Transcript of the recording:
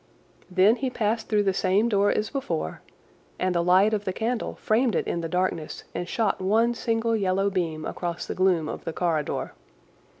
Then he passed through the same door as before, and the light of the candle framed it in the darkness and shot one single yellow beam across the gloom of the corridor.